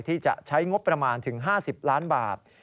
ที่จะใช้งบประมาณถึง๕๐ล้านบาท